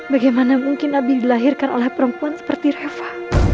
bagaimana mungkin nabi dilahirkan oleh perempuan seperti reva